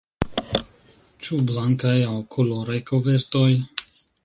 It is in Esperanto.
Ĉu blankaj aŭ koloraj kovertoj?